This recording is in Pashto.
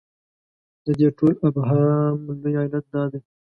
د دې ټول ابهام لوی علت دا دی.